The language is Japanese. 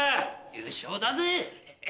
優勝だぜ。